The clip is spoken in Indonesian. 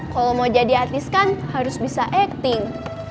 kalau mau jadi artis kan harus bisa acting